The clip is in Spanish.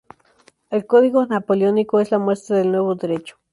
El código napoleónico es la muestra del nuevo derecho.